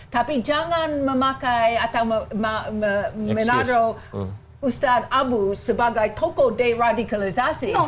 tapi jangan memakai atau menaruh ustadz abu sebagai tokoh deradikalisasi